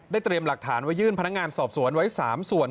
เตรียมหลักฐานไว้ยื่นพนักงานสอบสวนไว้๓ส่วน